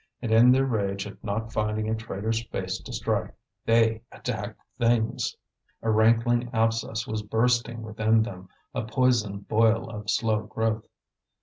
And in their rage at not finding a traitor's face to strike, they attacked things. A rankling abscess was bursting within them, a poisoned boil of slow growth.